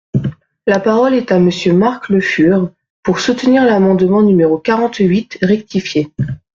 La parole est à Monsieur Marc Le Fur, pour soutenir l’amendement numéro quarante-huit rectifié.